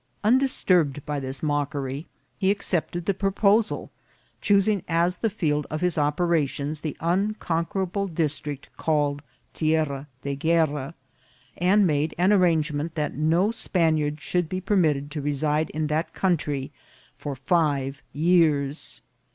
Un disturbed by this mockery, he accepted the proposal, choosing as the field of his operations the unconquerable district called Tierra de Guerra, and made an arrange ment that no Spaniards should be permitted to reside in that country for five years.